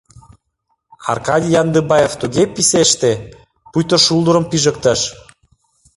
Аркадий Яндыбаев туге писеште, пуйто шулдырым пижыктыш.